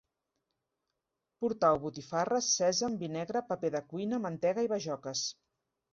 Portau botifarres, sèsam, vi negre, paper de cuina, mantega i bajoques